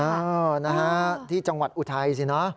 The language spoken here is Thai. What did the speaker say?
เออนะฮะที่จังหวัดอุทัยสินะ